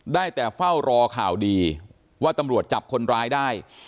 ได้แต่เฝ้ารอข่าวดีว่าตำรวจจับคนร้ายได้